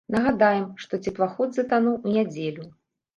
Нагадаем, што цеплаход затануў у нядзелю.